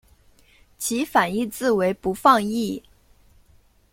其反义字为不放逸。